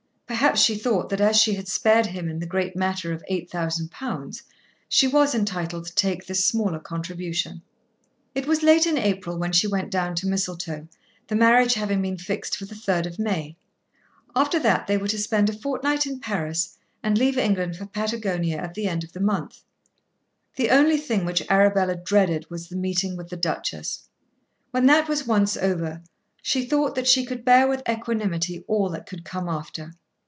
Perhaps she thought that as she had spared him in the great matter of eight thousand pounds, she was entitled to take this smaller contribution. It was late in April when she went down to Mistletoe, the marriage having been fixed for the 3rd of May. After that they were to spend a fortnight in Paris, and leave England for Patagonia at the end of the month. The only thing which Arabella dreaded was the meeting with the Duchess. When that was once over she thought that she could bear with equanimity all that could come after.